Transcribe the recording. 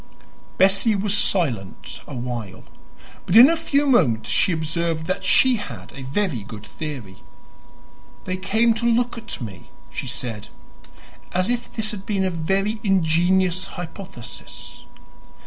Bessie was silent a while, but in a few moments she observed that she had a very good theory. "They came to look at me," she said, as if this had been a very ingenious hypothesis.